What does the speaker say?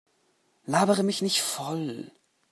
Labere mich nicht voll!